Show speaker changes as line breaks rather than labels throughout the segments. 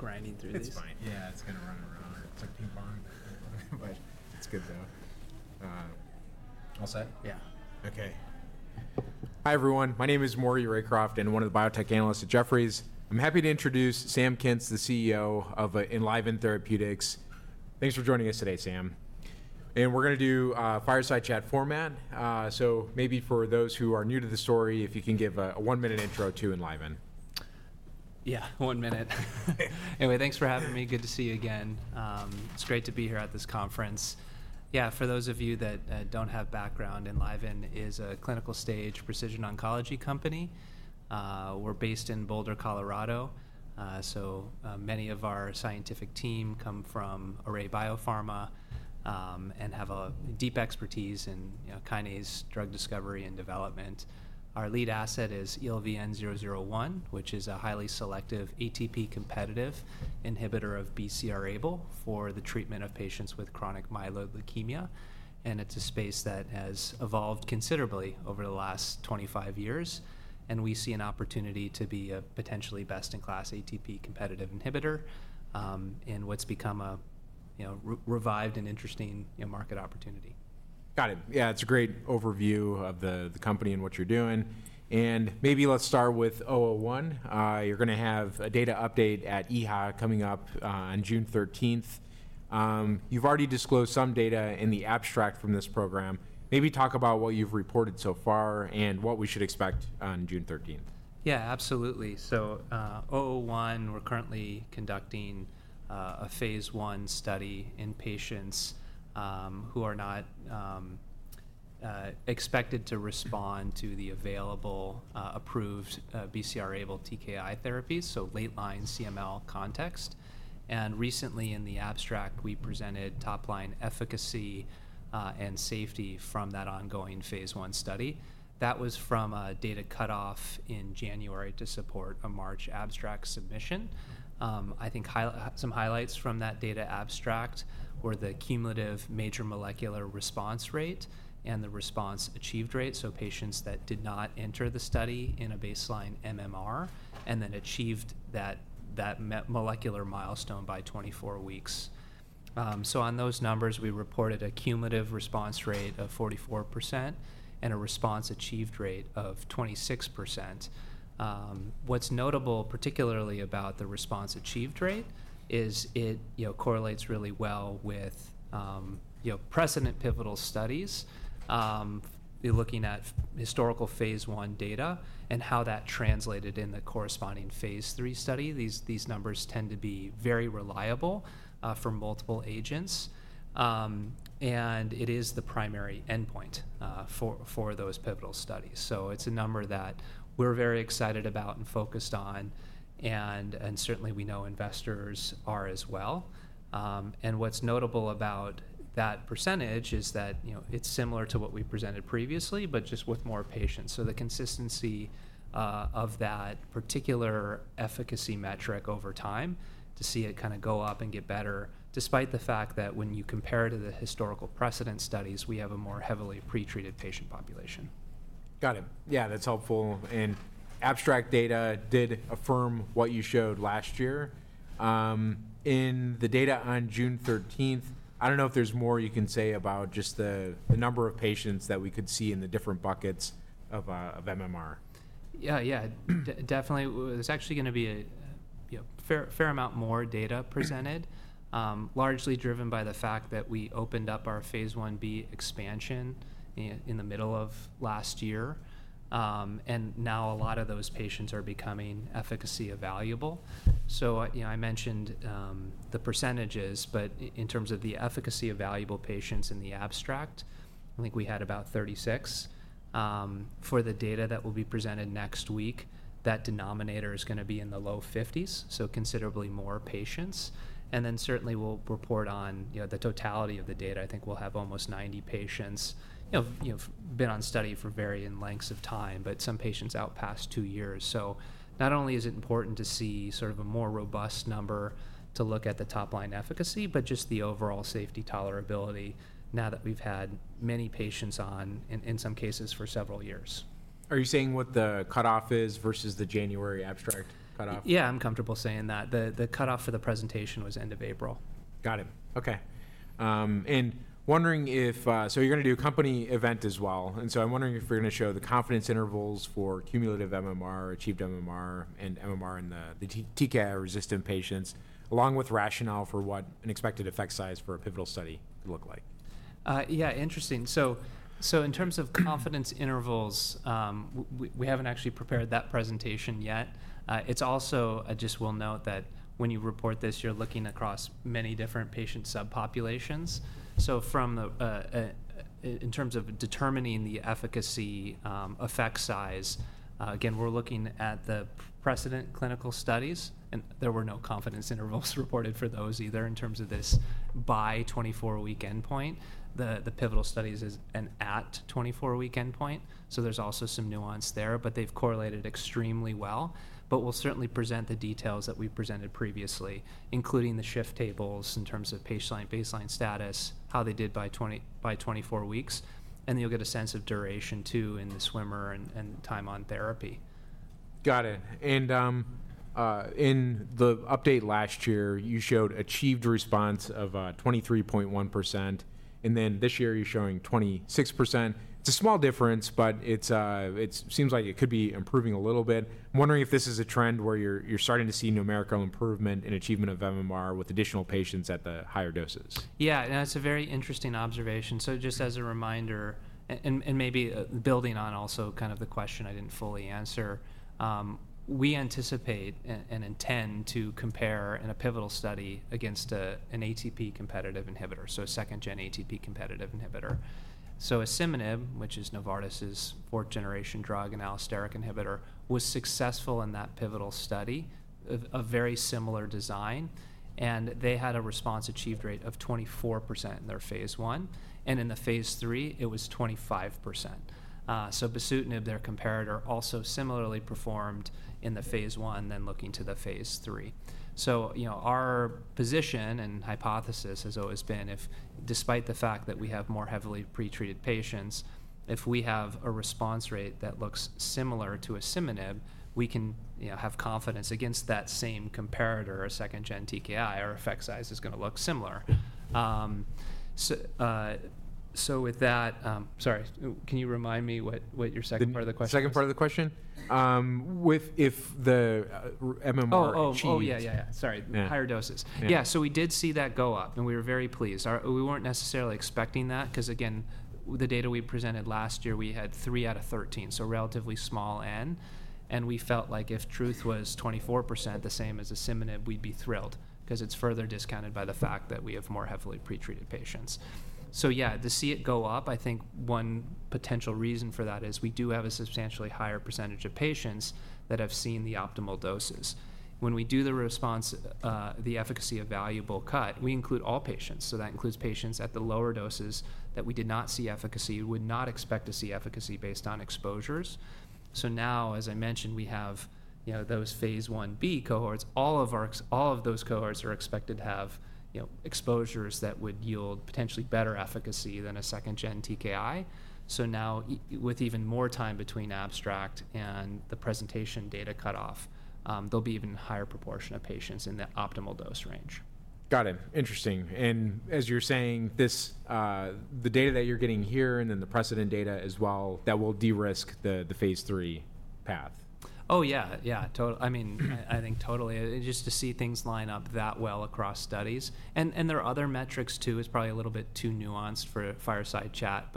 You're just grinding through these.
It's fine.
Yeah, it's going to run around. It's like ping-pong.
It is good, though. All set?
Yeah.
Okay. Hi, everyone. My name is Maury Raycroft, and I'm one of the biotech analysts at Jefferies. I'm happy to introduce Sam Kintz, the CEO of Enliven Therapeutics. Thanks for joining us today, Sam. We're going to do a fireside chat format. Maybe for those who are new to the story, if you can give a one-minute intro to Enliven.
Yeah, one minute. Anyway, thanks for having me. Good to see you again. It's great to be here at this conference. Yeah, for those of you that don't have background, Enliven is a clinical stage precision oncology company. We're based in Boulder, Colorado. So many of our scientific team come from Array BioPharma and have a deep expertise in kinase drug discovery and development. Our lead asset is ELVN-001, which is a highly selective ATP-competitive inhibitor of BCR-ABL for the treatment of patients with chronic myeloid leukemia. It's a space that has evolved considerably over the last 25 years. We see an opportunity to be a potentially best-in-class ATP-competitive inhibitor in what's become a revived and interesting market opportunity.
Got it. Yeah, it's a great overview of the company and what you're doing. Maybe let's start with 001. You're going to have a data update at EHA coming up on June 13. You've already disclosed some data in the abstract from this program. Maybe talk about what you've reported so far and what we should expect on June 13.
Yeah, absolutely. 001, we're currently conducting a phase I study in patients who are not expected to respond to the available approved BCR-ABL TKI therapies, so late-line CML context. Recently, in the abstract, we presented top-line efficacy and safety from that ongoing phase I study. That was from a data cutoff in January to support a March abstract submission. I think some highlights from that data abstract were the cumulative major molecular response rate and the response achieved rate, so patients that did not enter the study in a baseline MMR and then achieved that molecular milestone by 24 weeks. On those numbers, we reported a cumulative response rate of 44% and a response achieved rate of 26%. What's notable, particularly about the response achieved rate, is it correlates really well with precedent-pivotal studies. You're looking at historical phase I data and how that translated in the corresponding phase III study. These numbers tend to be very reliable for multiple agents. It is the primary endpoint for those pivotal studies. It's a number that we're very excited about and focused on. Certainly, we know investors are as well. What's notable about that percentage is that it's similar to what we presented previously, but just with more patients. The consistency of that particular efficacy metric over time, to see it kind of go up and get better, despite the fact that when you compare it to the historical precedent studies, we have a more heavily pretreated patient population.
Got it. Yeah, that's helpful. Abstract data did affirm what you showed last year. In the data on June 13, I don't know if there's more you can say about just the number of patients that we could see in the different buckets of MMR.
Yeah, yeah, definitely. There's actually going to be a fair amount more data presented, largely driven by the fact that we opened up our phase I-B expansion in the middle of last year. Now a lot of those patients are becoming efficacy evaluable. I mentioned the percentages, but in terms of the efficacy evaluable patients in the abstract, I think we had about 36. For the data that will be presented next week, that denominator is going to be in the low 50s, so considerably more patients. Certainly, we'll report on the totality of the data. I think we'll have almost 90 patients. We've been on study for varying lengths of time, but some patients out past two years. Not only is it important to see sort of a more robust number to look at the top-line efficacy, but just the overall safety tolerability now that we've had many patients on, in some cases, for several years.
Are you saying what the cutoff is versus the January abstract cutoff?
Yeah, I'm comfortable saying that. The cutoff for the presentation was end of April.
Got it. Okay. If you are going to do a company event as well, I'm wondering if you are going to show the confidence intervals for cumulative MMR, achieved MMR, and MMR in the TKI-resistant patients, along with rationale for what an expected effect size for a pivotal study could look like.
Yeah, interesting. In terms of confidence intervals, we haven't actually prepared that presentation yet. I just will note that when you report this, you're looking across many different patient subpopulations. In terms of determining the efficacy effect size, again, we're looking at the precedent clinical studies. There were no confidence intervals reported for those either in terms of this by 24-week endpoint. The pivotal studies is an at 24-week endpoint. There's also some nuance there, but they've correlated extremely well. We'll certainly present the details that we've presented previously, including the shift tables in terms of baseline status, how they did by 24 weeks. You'll get a sense of duration, too, in the swimmer and time on therapy.
Got it. In the update last year, you showed achieved response of 23.1%. This year, you're showing 26%. It's a small difference, but it seems like it could be improving a little bit. I'm wondering if this is a trend where you're starting to see numerical improvement in achievement of MMR with additional patients at the higher doses.
Yeah, and that's a very interesting observation. Just as a reminder, and maybe building on also kind of the question I didn't fully answer, we anticipate and intend to compare in a pivotal study against an ATP-competitive inhibitor, so a 2nd-gen ATP-competitive inhibitor. Asciminib, which is Novartis's 4th-generation drug and allosteric inhibitor, was successful in that pivotal study, a very similar design. They had a response achieved rate of 24% in their phase I. In the phase III, it was 25%. Bosutinib, their comparator, also similarly performed in the phase I than looking to the phase III. Our position and hypothesis has always been if, despite the fact that we have more heavily pretreated patients, if we have a response rate that looks similar to asciminib, we can have confidence against that same comparator, a 2nd-gen TKI, our effect size is going to look similar. With that, sorry, can you remind me what your second part of the question?
Second part of the question? If the MMR achieved.
Oh, yeah, yeah. Sorry, higher doses. Yeah, we did see that go up. We were very pleased. We were not necessarily expecting that because, again, the data we presented last year, we had three out of 13, so relatively small N. We felt like if truth was 24%, the same as asciminib, we would be thrilled because it is further discounted by the fact that we have more heavily pretreated patients. Yeah, to see it go up, I think one potential reason for that is we do have a substantially higher percentage of patients that have seen the optimal doses. When we do the efficacy evaluable cut, we include all patients. That includes patients at the lower doses that we did not see efficacy, would not expect to see efficacy based on exposures. Now, as I mentioned, we have those phase I-B cohorts. All of those cohorts are expected to have exposures that would yield potentially better efficacy than a 2nd-gen TKI. Now, with even more time between abstract and the presentation data cutoff, there'll be an even higher proportion of patients in the optimal dose range.
Got it. Interesting. As you're saying, the data that you're getting here and then the precedent data as well, that will de-risk the phase III path.
Oh, yeah, yeah. I mean, I think totally. Just to see things line up that well across studies. There are other metrics, too. It's probably a little bit too nuanced for a fireside chat.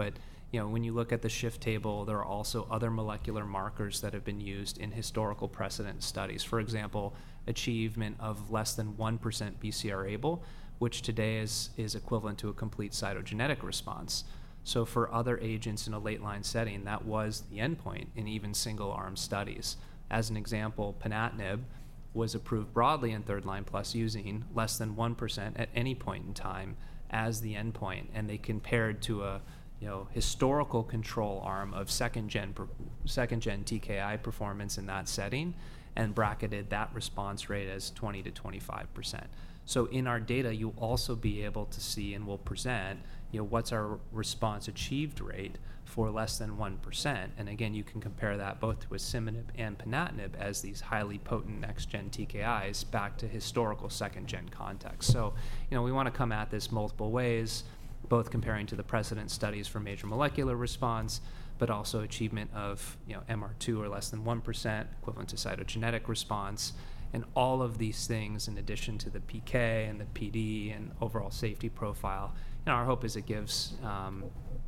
When you look at the shift table, there are also other molecular markers that have been used in historical precedent studies. For example, achievement of less than 1% BCR-ABL, which today is equivalent to a complete cytogenetic response. For other agents in a late-line setting, that was the endpoint in even single-arm studies. As an example, ponatinib was approved broadly in third-line plus using less than 1% at any point in time as the endpoint. They compared to a historical control arm of 2nd-gen TKI performance in that setting and bracketed that response rate as 20%-25%. In our data, you'll also be able to see and we'll present what's our response achieved rate for less than 1%. Again, you can compare that both to asciminib and ponatinib as these highly potent next-gen TKIs back to historical 2nd-gen context. We want to come at this multiple ways, both comparing to the precedent studies for major molecular response, but also achievement of MR2 or less than 1%, equivalent to cytogenetic response. All of these things, in addition to the PK and the PD and overall safety profile. Our hope is it gives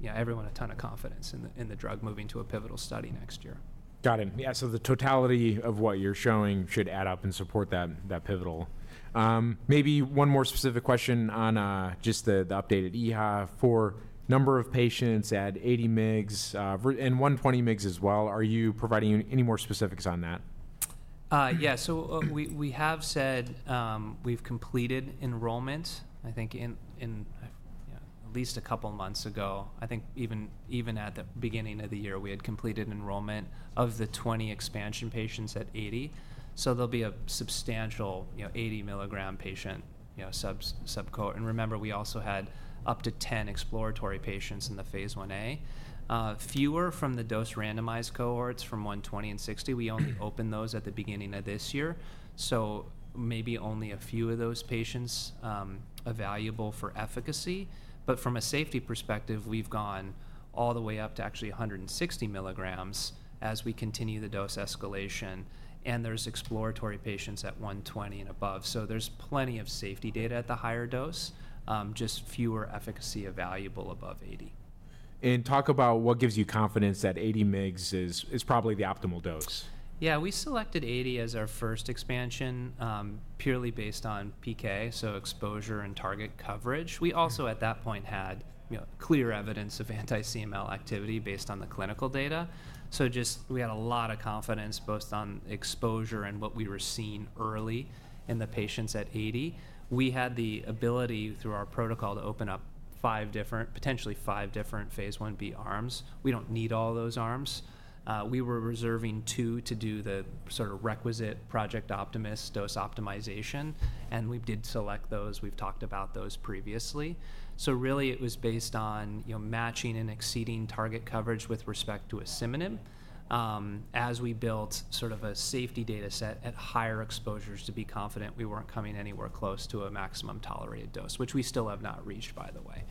everyone a ton of confidence in the drug moving to a pivotal study next year.
Got it. Yeah, so the totality of what you're showing should add up and support that pivotal. Maybe one more specific question on just the updated EHA for number of patients at 80 mg and 120 mg as well. Are you providing any more specifics on that?
Yeah, so we have said we've completed enrollment, I think, in at least a couple of months ago. I think even at the beginning of the year, we had completed enrollment of the 20 expansion patients at 80. There'll be a substantial 80-milligram patient subcohort. And remember, we also had up to 10 exploratory patients in the phase I-A. Fewer from the dose randomized cohorts from 120 and 60. We only opened those at the beginning of this year. Maybe only a few of those patients evaluable for efficacy. From a safety perspective, we've gone all the way up to actually 160 milligrams as we continue the dose escalation. There are exploratory patients at 120 and above. There's plenty of safety data at the higher dose, just fewer efficacy evaluable above 80.
Talk about what gives you confidence that 80 mg is probably the optimal dose.
Yeah, we selected 80 as our first expansion purely based on PK, so exposure and target coverage. We also, at that point, had clear evidence of anti-CML activity based on the clinical data. Just we had a lot of confidence both on exposure and what we were seeing early in the patients at 80. We had the ability, through our protocol, to open up potentially five different phase I-B arms. We do not need all those arms. We were reserving two to do the sort of requisite Project Optimus dose optimization. We did select those. We have talked about those previously. Really, it was based on matching and exceeding target coverage with respect to asciminib as we built sort of a safety data set at higher exposures to be confident we were not coming anywhere close to a maximum tolerated dose, which we still have not reached, by the way.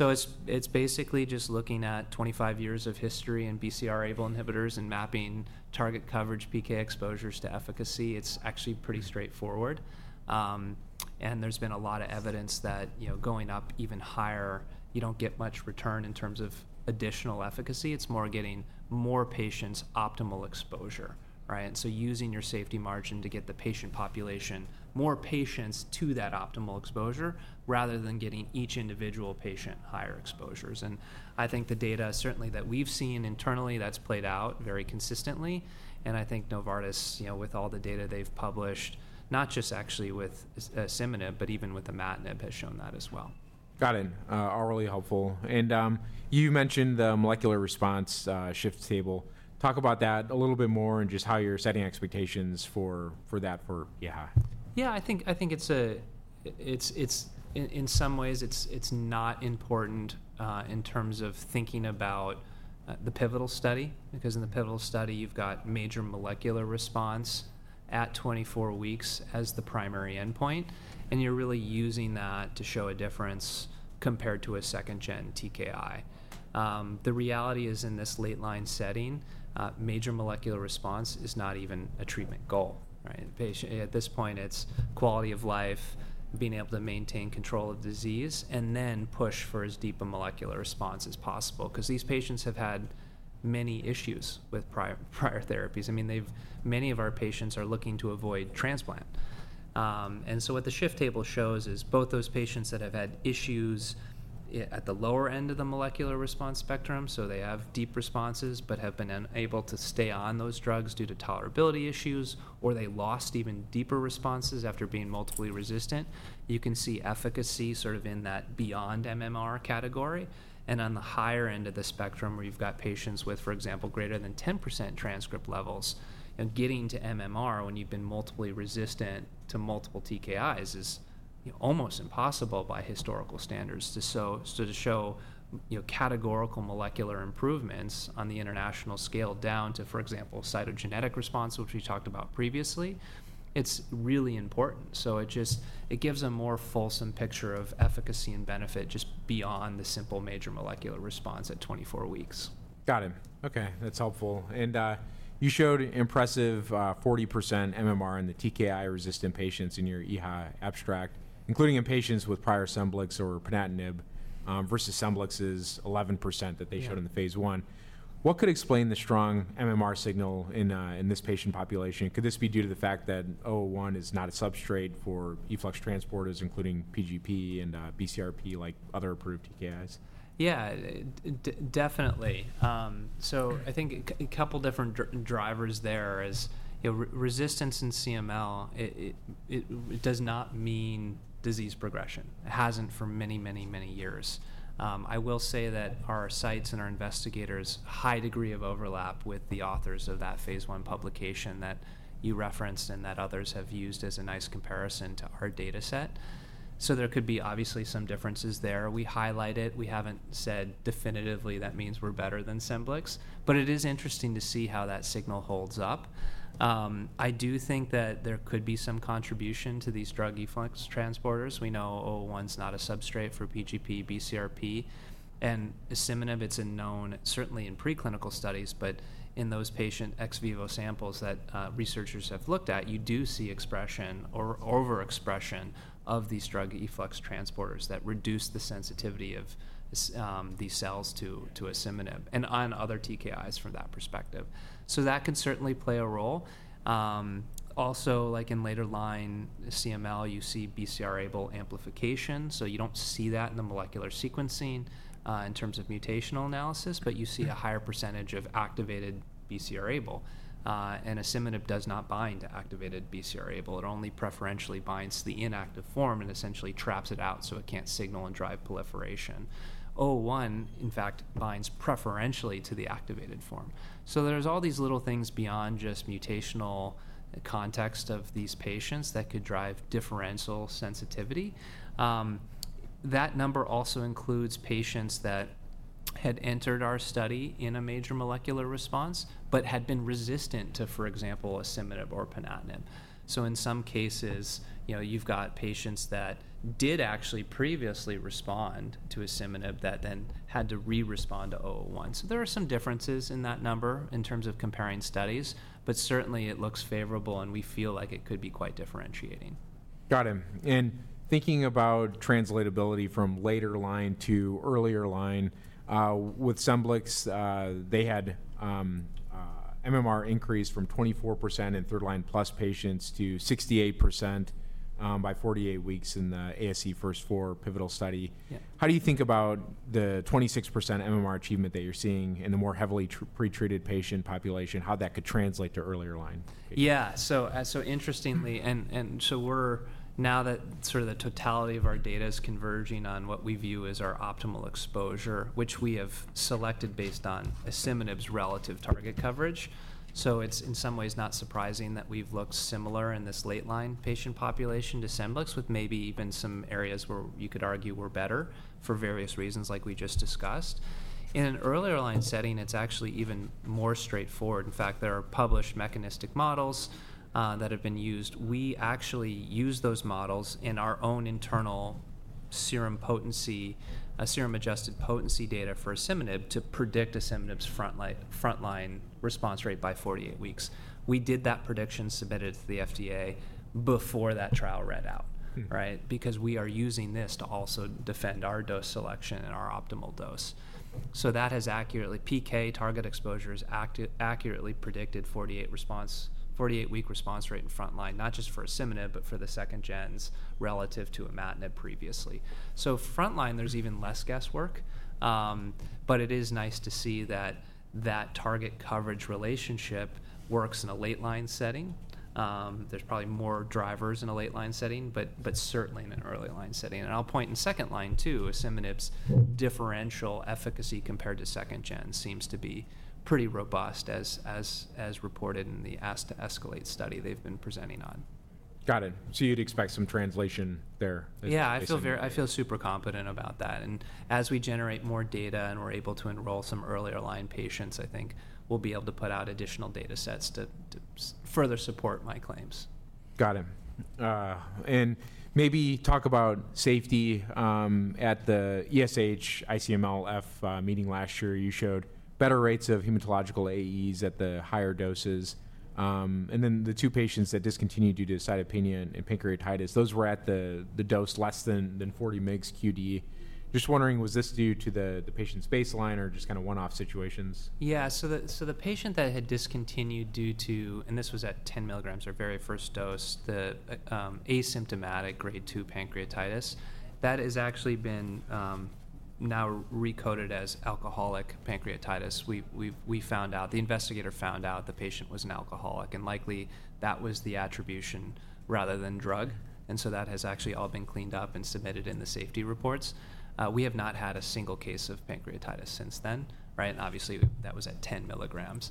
It is basically just looking at 25 years of history in BCR-ABL inhibitors and mapping target coverage PK exposures to efficacy. It is actually pretty straightforward. There has been a lot of evidence that going up even higher, you do not get much return in terms of additional efficacy. It is more getting more patients' optimal exposure, right? Using your safety margin to get the patient population, more patients to that optimal exposure, rather than getting each individual patient higher exposures. I think the data, certainly, that we have seen internally, that has played out very consistently. I think Novartis, with all the data they've published, not just actually with asciminib, but even with the manip, has shown that as well.
Got it. All really helpful. You mentioned the molecular response shift table. Talk about that a little bit more and just how you're setting expectations for that for EHA.
Yeah, I think in some ways, it's not important in terms of thinking about the pivotal study because in the pivotal study, you've got major molecular response at 24 weeks as the primary endpoint. You're really using that to show a difference compared to a 2nd-gen TKI. The reality is, in this late-line setting, major molecular response is not even a treatment goal, right? At this point, it's quality of life, being able to maintain control of disease, and then push for as deep a molecular response as possible because these patients have had many issues with prior therapies. I mean, many of our patients are looking to avoid transplant. What the shift table shows is both those patients that have had issues at the lower end of the molecular response spectrum, so they have deep responses but have been unable to stay on those drugs due to tolerability issues, or they lost even deeper responses after being multiply resistant, you can see efficacy sort of in that beyond MMR category. On the higher end of the spectrum, where you have patients with, for example, greater than 10% transcript levels, getting to MMR when you have been multiply resistant to multiple TKIs is almost impossible by historical standards to show categorical molecular improvements on the international scale down to, for example, cytogenetic response, which we talked about previously. It is really important. It gives a more fulsome picture of efficacy and benefit just beyond the simple major molecular response at 24 weeks.
Got it. Okay. That's helpful. You showed impressive 40% MMR in the TKI-resistant patients in your EHA abstract, including in patients with prior SCEMBLIX or ponatinib versus SCEMBLIX's 11% that they showed in the phase I. What could explain the strong MMR signal in this patient population? Could this be due to the fact that 001 is not a substrate for efflux transporters, including PGP and BCRP like other approved TKIs?
Yeah, definitely. I think a couple of different drivers there is resistance in CML. It does not mean disease progression. It has not for many, many, many years. I will say that our sites and our investigators, high degree of overlap with the authors of that phase I publication that you referenced and that others have used as a nice comparison to our data set. There could be obviously some differences there. We highlight it. We have not said definitively that means we are better than SCEMBLIX. It is interesting to see how that signal holds up. I do think that there could be some contribution to these drug efflux transporters. We know 001 is not a substrate for PGP, BCRP. Asciminib, it's a known, certainly in preclinical studies, but in those patient ex vivo samples that researchers have looked at, you do see expression or overexpression of these drug efflux transporters that reduce the sensitivity of these cells to asciminib and on other TKIs from that perspective. That can certainly play a role. Also, like in later line CML, you see BCR-ABL amplification. You do not see that in the molecular sequencing in terms of mutational analysis, but you see a higher percentage of activated BCR-ABL. Asciminib does not bind to activated BCR-ABL. It only preferentially binds to the inactive form and essentially traps it out so it cannot signal and drive proliferation. 001, in fact, binds preferentially to the activated form. There are all these little things beyond just mutational context of these patients that could drive differential sensitivity. That number also includes patients that had entered our study in a major molecular response but had been resistant to, for example, asciminib or ponatinib. In some cases, you've got patients that did actually previously respond to asciminib that then had to re-respond to 001. There are some differences in that number in terms of comparing studies, but certainly, it looks favorable, and we feel like it could be quite differentiating.
Got it. Thinking about translatability from later line to earlier line, with SCEMBLIX, they had MMR increase from 24% in third-line plus patients to 68% by 48 weeks in the ASC4FIRST pivotal study. How do you think about the 26% MMR achievement that you're seeing in the more heavily pretreated patient population, how that could translate to earlier line?
Yeah. Interestingly, now that sort of the totality of our data is converging on what we view as our optimal exposure, which we have selected based on asciminib's relative target coverage. It is in some ways not surprising that we have looked similar in this late line patient population to SCEMBLIX, with maybe even some areas where you could argue we are better for various reasons, like we just discussed. In an earlier line setting, it is actually even more straightforward. In fact, there are published mechanistic models that have been used. We actually use those models in our own internal serum adjusted potency data for asciminib to predict asciminib's front-line response rate by 48 weeks. We did that prediction, submitted it to the FDA before that trial read out, right? Because we are using this to also defend our dose selection and our optimal dose. That has accurately PK target exposures accurately predicted 48-week response rate in front line, not just for asciminib, but for the 2nd-gens relative to imatinib previously. Front line, there's even less guesswork. It is nice to see that that target coverage relationship works in a late line setting. There's probably more drivers in a late line setting, but certainly in an early line setting. I'll point in second line too, asciminib's differential efficacy compared to 2nd-gen seems to be pretty robust, as reported in the ASC2ESCALATE study they've been presenting on.
Got it. You'd expect some translation there.
Yeah, I feel super confident about that. As we generate more data and we're able to enroll some earlier line patients, I think we'll be able to put out additional data sets to further support my claims.
Got it. Maybe talk about safety. At the ESH-iCMLf meeting last year, you showed better rates of hematological AEs at the higher doses. The two patients that discontinued due to cytopenia and pancreatitis, those were at the dose less than 40 mg QD. Just wondering, was this due to the patient's baseline or just kind of one-off situations?
Yeah, so the patient that had discontinued due to, and this was at 10 milligrams, our very first dose, the asymptomatic grade 2 pancreatitis, that has actually been now recoded as alcoholic pancreatitis. We found out, the investigator found out the patient was an alcoholic. Likely, that was the attribution rather than drug. That has actually all been cleaned up and submitted in the safety reports. We have not had a single case of pancreatitis since then, right? Obviously, that was at 10 milligrams.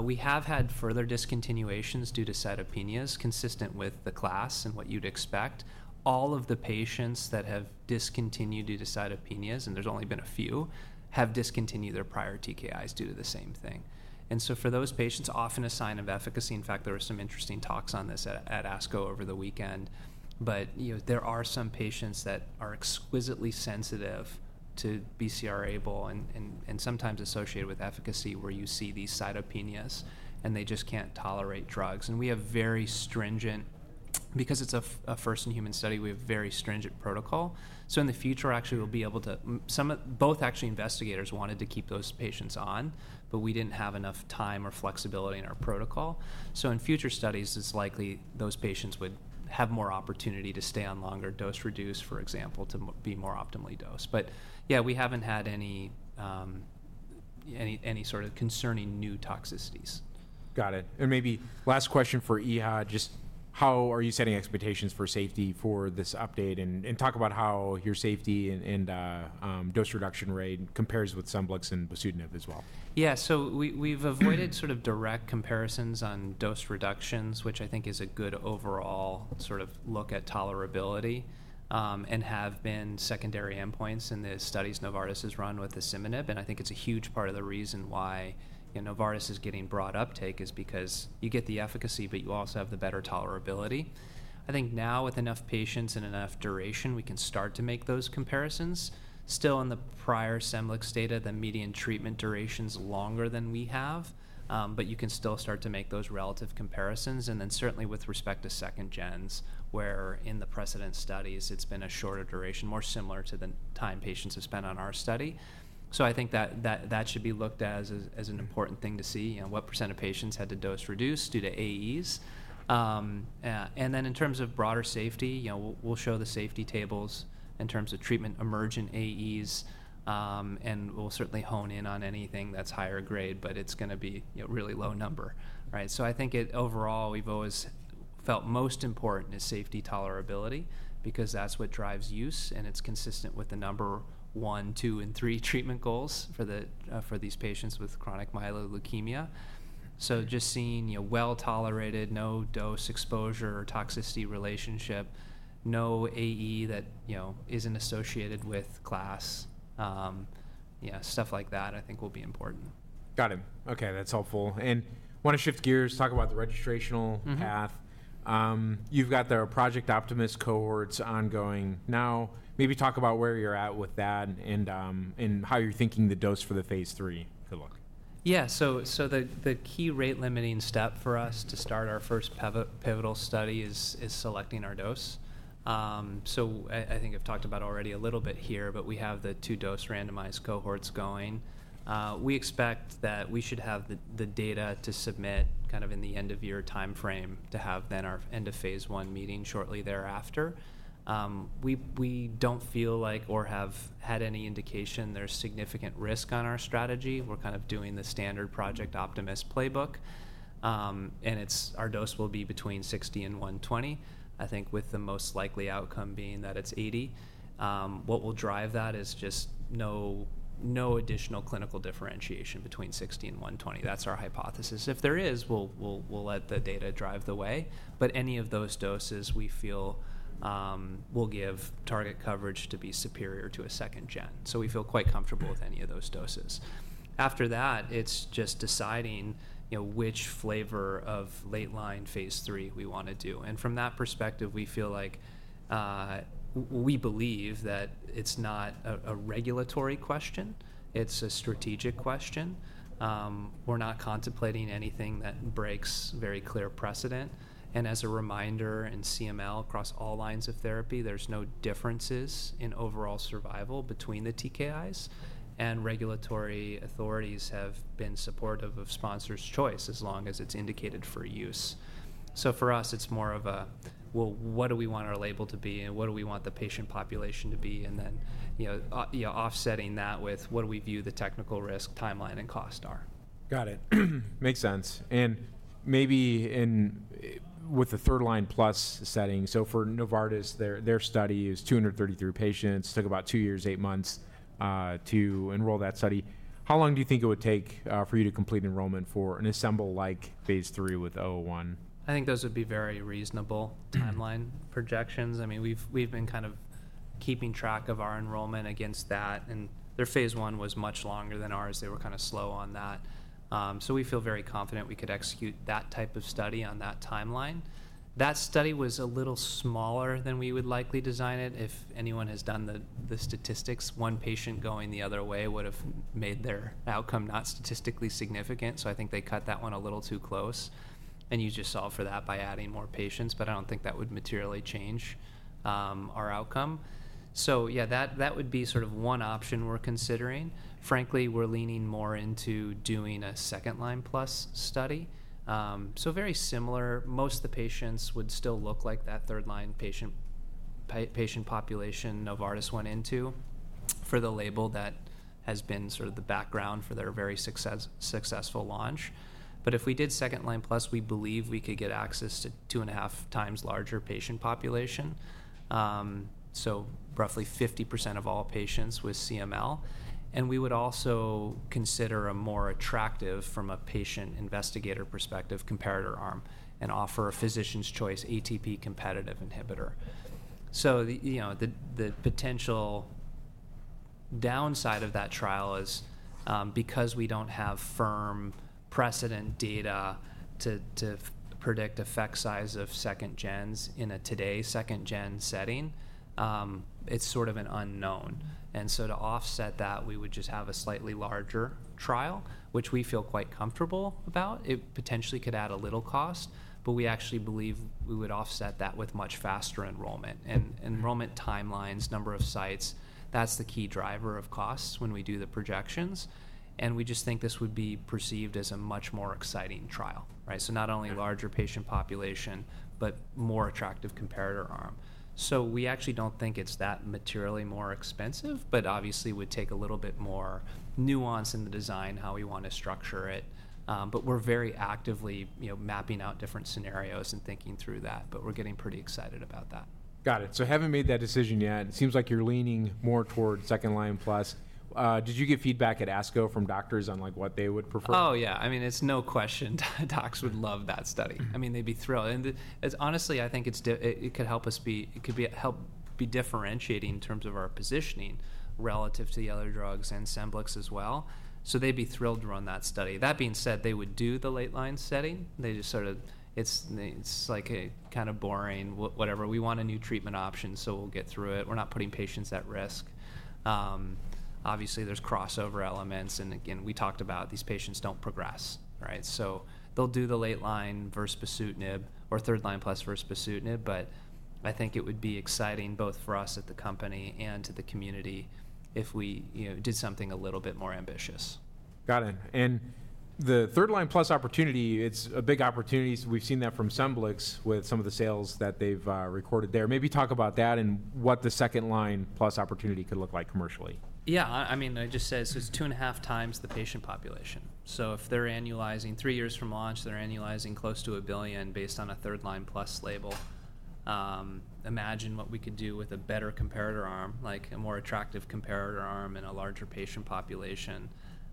We have had further discontinuations due to cytopenias, consistent with the class and what you'd expect. All of the patients that have discontinued due to cytopenias, and there's only been a few, have discontinued their prior TKIs due to the same thing. For those patients, often a sign of efficacy. In fact, there were some interesting talks on this at ASCO over the weekend. There are some patients that are exquisitely sensitive to BCR-ABL and sometimes associated with efficacy where you see these cytopenias, and they just can't tolerate drugs. We have very stringent, because it's a first-in-human study, we have very stringent protocol. In the future, actually, we'll be able to both, actually investigators wanted to keep those patients on, but we didn't have enough time or flexibility in our protocol. In future studies, it's likely those patients would have more opportunity to stay on longer, dose reduced, for example, to be more optimally dosed. Yeah, we haven't had any sort of concerning new toxicities.
Got it. Maybe last question for EHA, just how are you setting expectations for safety for this update? Talk about how your safety and dose reduction rate compares with SCEMBLIX and bosutinib as well.
Yeah, so we've avoided sort of direct comparisons on dose reductions, which I think is a good overall sort of look at tolerability, and have been secondary endpoints in the studies Novartis has run with asciminib. I think it's a huge part of the reason why Novartis is getting broad uptake is because you get the efficacy, but you also have the better tolerability. I think now, with enough patients and enough duration, we can start to make those comparisons. Still, in the prior SCEMBLIX data, the median treatment duration is longer than we have, but you can still start to make those relative comparisons. Certainly, with respect to 2nd-gens, where in the precedent studies, it's been a shorter duration, more similar to the time patients have spent on our study. I think that that should be looked at as an important thing to see, what percent of patients had to dose reduce due to AEs. In terms of broader safety, we'll show the safety tables in terms of treatment emergent AEs, and we'll certainly hone in on anything that's higher grade, but it's going to be a really low number, right? I think overall, we've always felt most important is safety tolerability because that's what drives use, and it's consistent with the number one, two, and three treatment goals for these patients with chronic myeloid leukemia. Just seeing well tolerated, no dose exposure or toxicity relationship, no AE that isn't associated with class, stuff like that, I think will be important.
Got it. Okay, that's helpful. I want to shift gears, talk about the registration path. You've got the Project Optimus cohorts ongoing. Now, maybe talk about where you're at with that and how you're thinking the dose for the phase III could look.
Yeah, so the key rate limiting step for us to start our first pivotal study is selecting our dose. I think I've talked about already a little bit here, but we have the two dose randomized cohorts going. We expect that we should have the data to submit kind of in the end-of-year time frame to have then our end-of-phase I meeting shortly thereafter. We don't feel like or have had any indication there's significant risk on our strategy. We're kind of doing the standard Project Optimus playbook. Our dose will be between 60 and 120, I think, with the most likely outcome being that it's 80. What will drive that is just no additional clinical differentiation between 60 and 120. That's our hypothesis. If there is, we'll let the data drive the way. Any of those doses, we feel will give target coverage to be superior to a 2nd-gen. We feel quite comfortable with any of those doses. After that, it's just deciding which flavor of late line phase III we want to do. From that perspective, we feel like we believe that it's not a regulatory question. It's a strategic question. We're not contemplating anything that breaks very clear precedent. As a reminder, in CML, across all lines of therapy, there's no differences in overall survival between the TKIs. Regulatory authorities have been supportive of sponsors' choice as long as it's indicated for use. For us, it's more of a, well, what do we want our label to be, and what do we want the patient population to be, and then offsetting that with what we view the technical risk timeline and cost are.
Got it. Makes sense. Maybe with the third line plus setting, for Novartis, their study is 233 patients. It took about two years, eight months to enroll that study. How long do you think it would take for you to complete enrollment for an asciminib-like phase III with 001?
I think those would be very reasonable timeline projections. I mean, we've been kind of keeping track of our enrollment against that. Their phase I was much longer than ours. They were kind of slow on that. We feel very confident we could execute that type of study on that timeline. That study was a little smaller than we would likely design it. If anyone has done the statistics, one patient going the other way would have made their outcome not statistically significant. I think they cut that one a little too close. You just solve for that by adding more patients, but I don't think that would materially change our outcome. Yeah, that would be sort of one option we're considering. Frankly, we're leaning more into doing a second line plus study. Very similar. Most of the patients would still look like that third line patient population Novartis went into for the label that has been sort of the background for their very successful launch. If we did second line plus, we believe we could get access to two and a half times larger patient population. So roughly 50% of all patients with CML. We would also consider a more attractive, from a patient investigator perspective, comparator arm and offer a physician's choice ATP-competitive inhibitor. The potential downside of that trial is because we do not have firm precedent data to predict effect size of 2nd-gens in a today 2nd-gen setting, it is sort of an unknown. To offset that, we would just have a slightly larger trial, which we feel quite comfortable about. It potentially could add a little cost, but we actually believe we would offset that with much faster enrollment. Enrollment timelines, number of sites, that's the key driver of costs when we do the projections. We just think this would be perceived as a much more exciting trial, right? Not only larger patient population, but more attractive comparator arm. We actually do not think it's that materially more expensive, but obviously would take a little bit more nuance in the design, how we want to structure it. We are very actively mapping out different scenarios and thinking through that. We are getting pretty excited about that.
Got it. So haven't made that decision yet. It seems like you're leaning more toward second line plus. Did you get feedback at ASCO from doctors on what they would prefer?
Oh, yeah. I mean, it's no question. Docs would love that study. I mean, they'd be thrilled. And honestly, I think it could help us be, it could help be differentiating in terms of our positioning relative to the other drugs and SCEMBLIX as well. They'd be thrilled to run that study. That being said, they would do the late line setting. They just sort of, it's like a kind of boring, whatever. We want a new treatment option, so we'll get through it. We're not putting patients at risk. Obviously, there's crossover elements. Again, we talked about these patients don't progress, right? They'll do the late line versus bosutinib or third line plus versus bosutinib. I think it would be exciting both for us at the company and to the community if we did something a little bit more ambitious.
Got it. The third line plus opportunity, it's a big opportunity. We've seen that from SCEMBLIX with some of the sales that they've recorded there. Maybe talk about that and what the second line plus opportunity could look like commercially.
Yeah, I mean, I just said it's two and a half times the patient population. If they're annualizing three years from launch, they're annualizing close to $1 billion based on a third line plus label. Imagine what we could do with a better comparator arm, like a more attractive comparator arm and a larger patient population.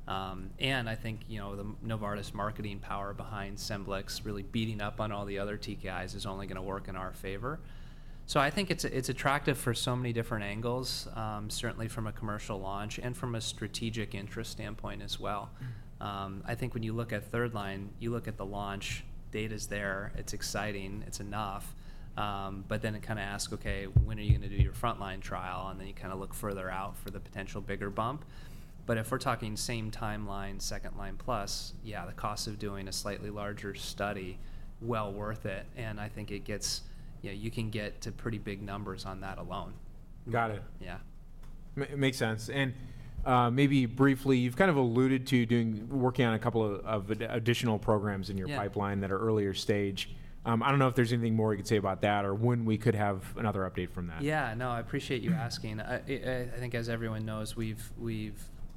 I think the Novartis marketing power behind SCEMBLIX, really beating up on all the other TKIs, is only going to work in our favor. I think it's attractive for so many different angles, certainly from a commercial launch and from a strategic interest standpoint as well. I think when you look at third line, you look at the launch data's there. It's exciting. It's enough. It kind of asks, okay, when are you going to do your front line trial? You kind of look further out for the potential bigger bump. If we're talking same timeline, second line plus, yeah, the cost of doing a slightly larger study, well worth it. I think you can get to pretty big numbers on that alone.
Got it.
Yeah.
Makes sense. Maybe briefly, you've kind of alluded to working on a couple of additional programs in your pipeline that are earlier stage. I don't know if there's anything more you could say about that or when we could have another update from that.
Yeah, no, I appreciate you asking. I think as everyone knows, we've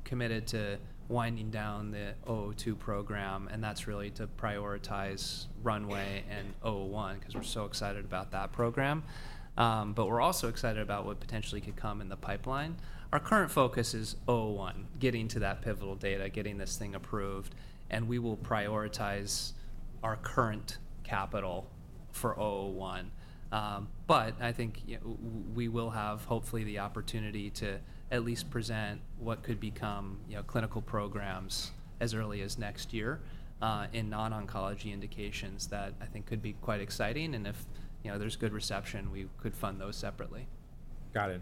committed to winding down the 002 program. That is really to prioritize runway and 001 because we're so excited about that program. We're also excited about what potentially could come in the pipeline. Our current focus is 001, getting to that pivotal data, getting this thing approved. We will prioritize our current capital for 001. I think we will have hopefully the opportunity to at least present what could become clinical programs as early as next year in non-oncology indications that I think could be quite exciting. If there's good reception, we could fund those separately.
Got it.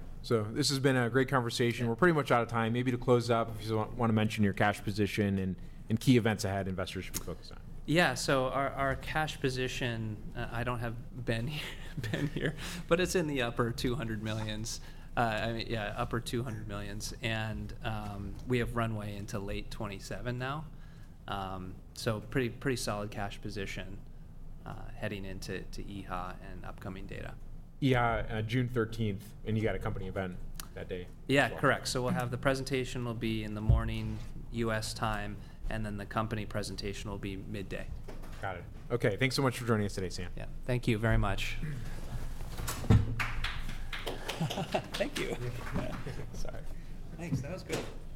This has been a great conversation. We're pretty much out of time. Maybe to close up, if you want to mention your cash position and key events ahead investors should be focused on.
Yeah, so our cash position, I don't have Ben here, but it's in the upper $200 million, yeah, upper $200 million. We have runway into late 2027 now. Pretty solid cash position heading into EHA and upcoming data.
in June 13th, and you got a company event that day.
Yeah, correct. So we'll have the presentation will be in the morning U.S. time, and then the company presentation will be midday.
Got it. Okay, thanks so much for joining us today, Sam.
Yeah, thank you very much. Thank you. Thanks. That was good.